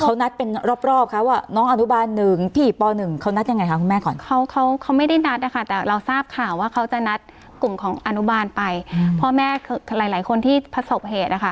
กลุ่มของอนุบาลไปพ่อแม่คือหลายคนที่ผสกเหตุนะคะ